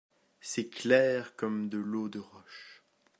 C’est clair comme de l’eau de roche.